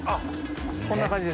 こんな感じで。